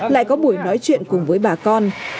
lại có buổi nói chuyện cùng với bà con